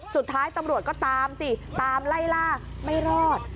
สุดท้ายตำรวจก็ตามสิตามไล่ล่าไม่รอด